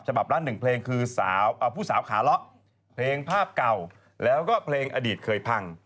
ฉบับละ๑เพลงคือผู้สาวขาเลาะเพลงภาพเก่าแล้วก็เพลงอดีตเคยพัง